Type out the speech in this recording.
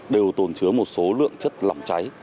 đều tồn chứa một số lượng chất lỏng cháy